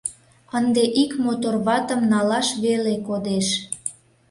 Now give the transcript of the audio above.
Ынде ик мотор ватым налаш веле кодеш.